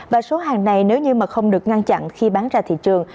và số hàng này nếu như mà không được ngăn chặn khi bán ra thị trường